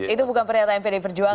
itu bukan pernyataan pdi perjuangan